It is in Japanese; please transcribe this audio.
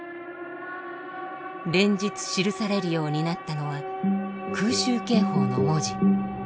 連日記されるようになったのは空襲警報の文字。